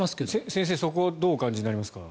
先生、そこはどうお感じになりますか？